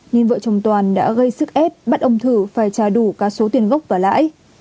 nên vợ chồng toàn đã gây sức ép bắt ông thử phải trả đủ cả số tiền gốc và lãi